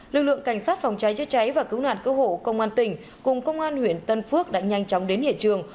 lực lượng cảnh sát phòng cháy chữa cháy và cứu nạn cứu hộ công an tỉnh cùng công an huyện tân phước đã nhanh chóng đến hiện trường